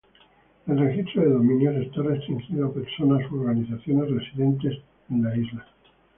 El registro de dominios está restringido a personas u organizaciones residentes en la isla.